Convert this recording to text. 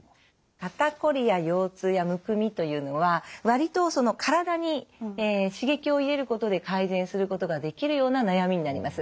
肩こりや腰痛やむくみというのは割と体に刺激を入れることで改善することができるような悩みになります。